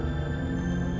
aku bisa sembuh